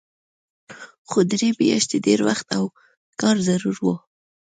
خو درې میاشتې ډېر وخت و او کار ضرور و